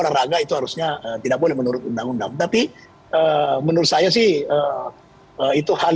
olahraga itu harusnya tidak boleh menurut undang undang tapi menurut saya sih itu hal